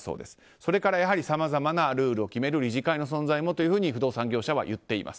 それからさまざまなルールを決める理事会の存在もというふうに不動産業者は言っています。